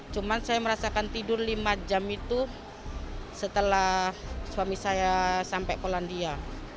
cuma saya merasakan tidur lima jam itu setelah suami saya sampai polandia